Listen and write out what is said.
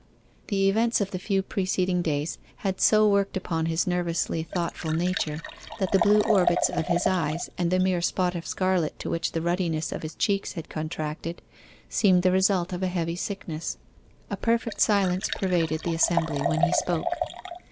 The events of the few preceding days had so worked upon his nervously thoughtful nature that the blue orbits of his eyes, and the mere spot of scarlet to which the ruddiness of his cheeks had contracted, seemed the result of a heavy sickness. A perfect silence pervaded the assembly when he spoke.